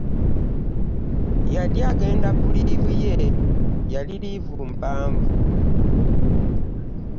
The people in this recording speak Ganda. Yali agenda ku liivu ye, yali liivu mpanvu.